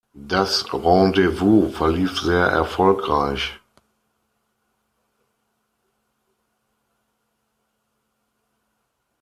Das Rendezvous verlief sehr erfolgreich.